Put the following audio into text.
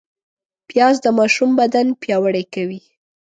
پیاز د ماشوم بدن پیاوړی کوي